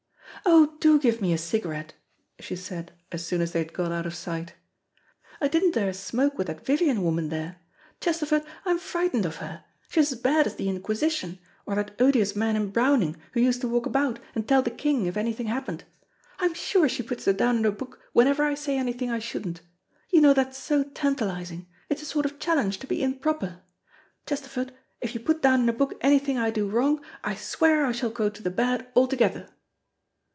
"Oh do give me a cigarette," she said, as soon as they had got out of sight. "I didn't dare smoke with that Vivian woman there. Chesterford, I am frightened of her. She is as bad as the Inquisition, or that odious man in Browning who used to walk about, and tell the king if anything happened. I am sure she puts it down in a book whenever I say anything I shouldn't. You know that's so tantalising. It is a sort of challenge to be improper. Chesterford, if you put down in a book anything I do wrong, I swear I shall go to the bad altogether."